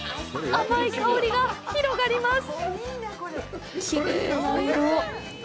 甘い香りが広がります！